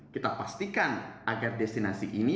kita pastikan agar destinasi ini